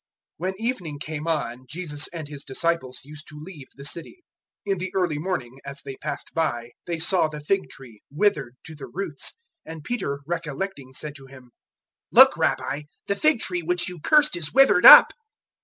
011:019 When evening came on, Jesus and His disciples used to leave the city. 011:020 In the early morning, as they passed by, they saw the fig tree withered to the roots; 011:021 and Peter, recollecting, said to Him, "Look, Rabbi, the fig tree which you cursed is withered up."